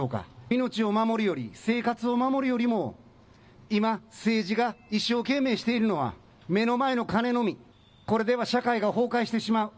命を守るより、生活を守るよりも今、政治が一生懸命しているのは目の前の金のみ、これでは社会が崩壊してしまう。